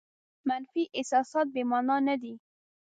منفي احساسات بې مانا نه دي.